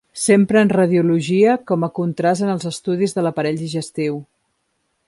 S'empra en radiologia com a contrast en els estudis de l'aparell digestiu.